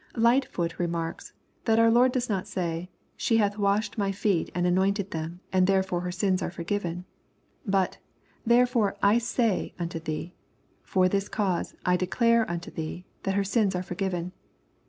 Lightfoot remarks, that our Lord does not say, "She hath washed my feet and anointed them, and therefore her sins are forgiven," but, " therefore / sag unto thee," or " for this cause 1 dedare unto thee that her sins are forgiven."